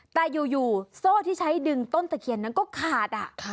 แต่อยู่โซ่ที่ใช้ดึงต้นตะเคียนนั้นก็ขาด